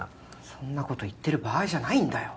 そんなこと言ってる場合じゃないんだよ